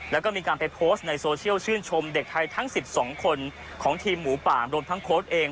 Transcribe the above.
แล้วก็มีการไปโพสต์ในโซเชียลชื่นชมเด็กไทยทั้ง๑๒คนของทีมหมูป่ารวมทั้งโค้ชเอง